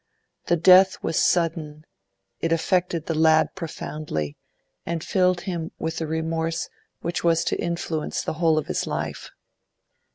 The death was sudden; it affected the lad profoundly, and filled him with a remorse which was to influence the whole of his life.